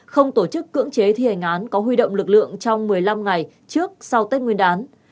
không tổ chức cưỡng chế thi hành án có huy động lực lượng trong một mươi năm ngày trước sau tết nguyên đán